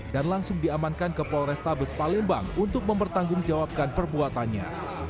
dan langsung diamankan ke polrestabes palembang untuk mempertanggungjawabkan perbuatannya